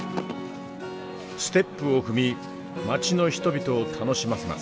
ステップを踏み街の人々を楽しませます。